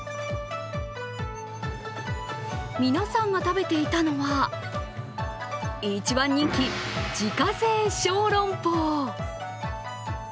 皆さんが食べていたのは、一番人気、自家製ショーロンポー。